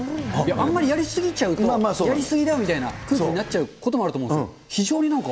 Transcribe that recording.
あんまりやり過ぎちゃうと、やり過ぎだみたいに空気になっちゃうこともあると思うんですよ。